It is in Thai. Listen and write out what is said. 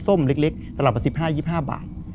ส้มเล็กสำหรับประสิบห้ายี่สี่ห้าบาท